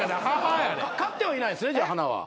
買ってはいないんですね花は。